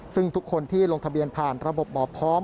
ซึ่งทุกคนที่ลงทะเบียนผ่านระบบหมอพร้อม